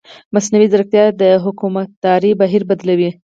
مصنوعي ځیرکتیا د حکومتدارۍ بهیر بدلوي.